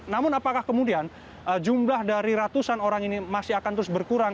namun apakah kemudian jumlah dari ratusan orang ini masih akan terus berkurang